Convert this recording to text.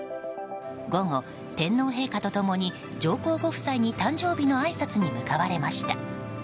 午後、天皇陛下と共に上皇ご夫妻に誕生日のあいさつに向かわれました。